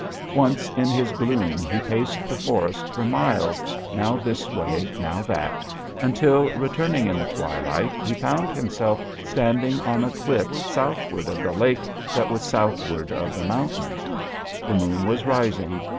Once in his gloom he paced the forests for miles, now this way now that, until, returning in the twilight, he found himself standing on a cliff southward of the lake that was southward of the mountains. The moon was rising.